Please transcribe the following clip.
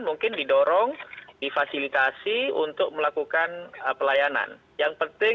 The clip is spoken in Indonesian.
mungkin didorong difasilitasi untuk melakukan pelayanan